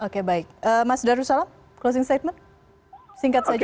oke baik mas darussalam closing statement singkat saja